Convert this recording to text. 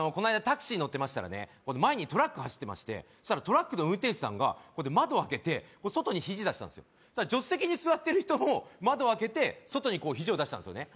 タクシー乗ってましたらね前にトラック走ってましてそしたらトラックの運転手さんがこうやって窓開けて外に肘出したんすよそしたら助手席に座ってる人も窓開けて外に肘を出したんすよね